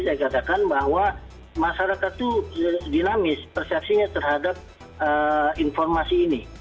saya katakan bahwa masyarakat itu dinamis persepsinya terhadap informasi ini